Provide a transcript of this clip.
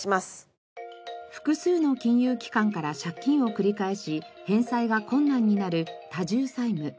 複数の金融機関から借金を繰り返し返済が困難になる多重債務。